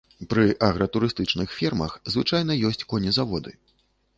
Пры агратурыстычных фермах звычайна ёсць конезаводы.